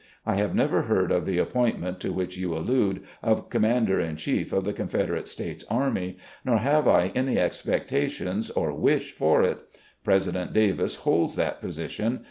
I have never heard of the appointment, to which you allude, of Commander in Chief of the Confederate States Army, nor have I any expectation or wish for it. President Davis holds that position.